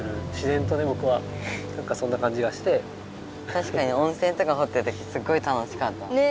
たしかに温泉とかほってるときすごい楽しかった。ね！